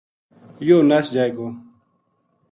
یوہ نس جائے گو‘‘